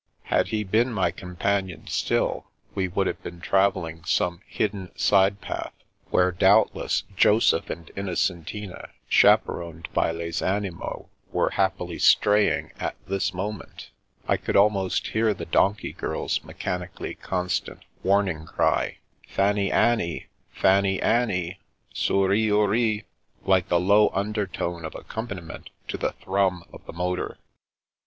Had he been my companion still, we would have been travelling some hidden side path, where doubtless Joseph and 333 334 The Princess Passes Innocentina, chaperoned by les animaux, were hap pily straying at this moment I could almost hear the donkey girl's mechanically constant, warning cry, " Fanny anny, Fanny anny ! Souris ouris !" like a low undertone of accompaniment to the thnmi of the motor.